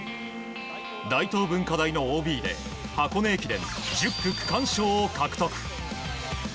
大東文化大のＯＢで箱根駅伝１０区区間賞を獲得。